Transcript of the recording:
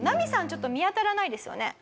ちょっと見当たらないですよね。